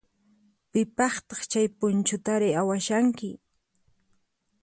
Pipaqtaq chay punchutari awashanki?